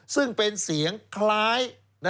ซึ่งเป็นเสียงคล้าย